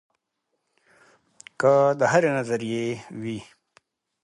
کۀ د هرې نظرئې وي